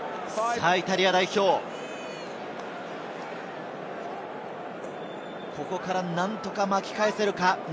さぁ、イタリア代表、ここから何とか巻き返せるか？